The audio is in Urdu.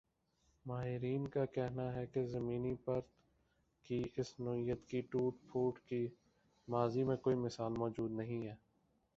ماہرین کا کہنا ہی کہ زمینی پرت کی اس نوعیت کی ٹوٹ پھوٹ کی ماضی میں کوئی مثال موجود نہیں ا